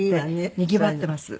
にぎわってます。